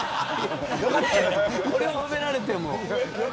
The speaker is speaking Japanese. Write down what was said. これを褒められても。